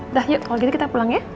udah yuk kalau gitu kita pulang ya